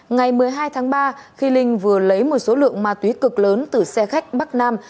ngày một mươi hai tháng ba khi linh vừa lấy một số lượng ma túy cực lớn từ xe khách bắc nam